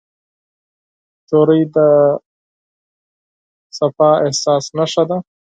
نجلۍ د پاک احساس نښه ده.